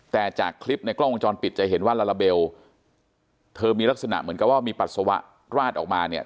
แต่จากคลิปในกล้องวงจรปิดจะเห็นว่าลาลาเบลเธอมีลักษณะเหมือนกับว่ามีปัสสาวะราดออกมาเนี่ย